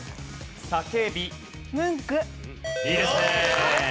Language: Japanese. いいですねえ。